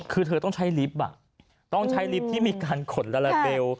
คือเธอต้องใช้ลิฟต์ต้องใช้ลิฟท์ที่มีการขนลาลาเบล